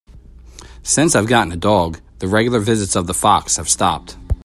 Since I've gotten a dog, the regular visits of the fox have stopped.